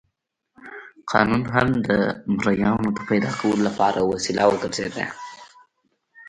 قانون هم د مریانو د پیدا کولو لپاره وسیله وګرځېده.